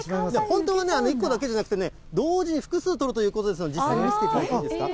本当はね、一個だけじゃなくて、同時に複数取るということで、実際に見せていただいていいですか？